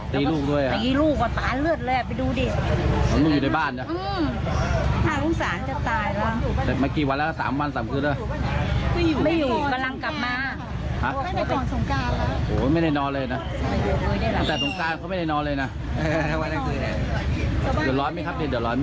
เดี๋ยวร้อนไหมครับนี่เดี๋ยวร้อนไหมครับ